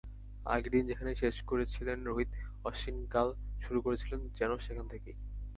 আগের দিন যেখানে শেষ করেছিলেন রোহিত-অশ্বিন কাল শুরু করেছিলেন যেন সেখান থেকেই।